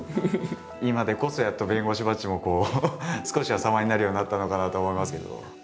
今でこそやっと弁護士バッジもこう少しは様になるようになったのかなと思いますけど。